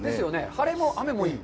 晴れも雨もいい。